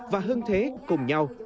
và hơn thế cùng nhau để tiến xa hơn